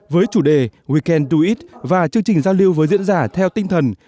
với chủ đề we can do it và chương trình giao lưu với diễn giả theo tinh thần